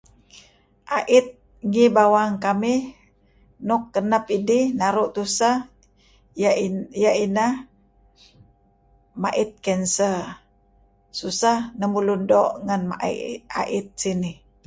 Ait ngi bawang kamih nuk kanep idih naru' tusah iah inah mait cancer susah lemulun doo' ngen ait sinih.